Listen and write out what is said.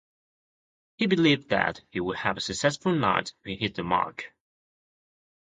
He believed that he would have a successful night if he hit the mark.